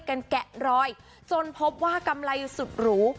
แกะรอยจนพบว่ากำไรสุดหรู